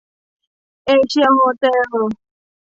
เอเชียโฮเต็ล